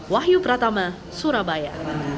wahyu pratama surabaya